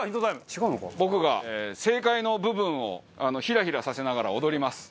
僕が正解の部分をヒラヒラさせながら踊ります。